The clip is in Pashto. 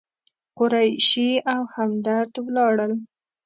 قریشي او همدرد ولاړل.